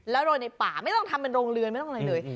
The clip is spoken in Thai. โรยในป่าไม่ต้องทำเป็นโรงเรือนไม่ต้องอะไรเลย